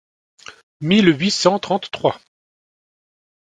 mille huit cent trente-trois.